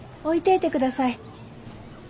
置いてえてください。